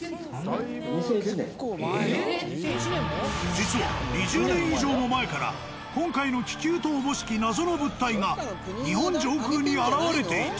実は２０年以上も前から今回の気球とおぼしき謎の物体が日本上空に現れていた。